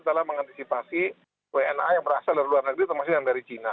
dalam mengantisipasi wna yang berasal dari luar negeri termasuk yang dari cina